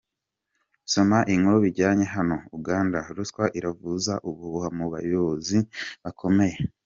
Soma inkuru bijyanye hano: Uganda: ruswa iravuza ubuhuha mu bayobozi bakomeye